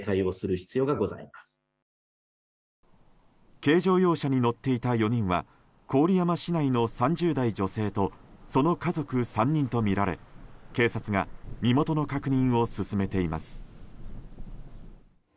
軽乗用車に乗っていた４人は郡山市内の３０代女性とその家族３人とみられ警察が身元の確認を進めています。